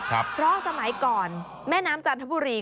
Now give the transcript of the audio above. เพราะสมัยก่อนแม่น้ำจันทบุรี